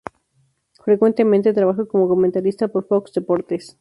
Frecuentemente trabaja como comentarista par Fox Deportes.